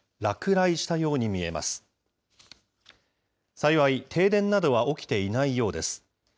幸い、停電などは起きていないようです。